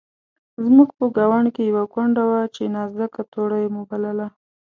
زموږ په ګاونډ کې یوه کونډه وه چې نازکه توړۍ مو بلله.